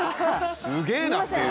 すげえなっていう。